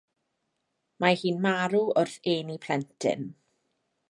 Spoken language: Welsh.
Mae hi'n marw wrth eni plentyn.